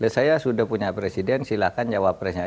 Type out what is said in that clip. saya sudah punya presiden silahkan jawab presnya